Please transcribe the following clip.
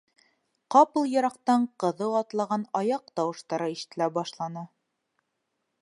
Ҡапыл йыраҡтан ҡыҙыу атлаған аяҡ тауыштары ишетелә башланы.